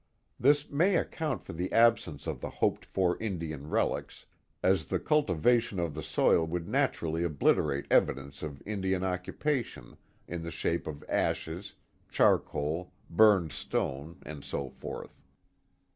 This may account for the absence of the hoped for Indian relics, as the cultivation of the soil would naturally obliterate evidence of Indian oc cupation, in the shape of ashes, charcoal, burned stone, and so forth.